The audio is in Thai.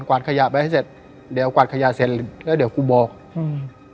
วาดขยะไปให้เสร็จเดี๋ยวกวาดขยะเสร็จแล้วเดี๋ยวกูบอกอืม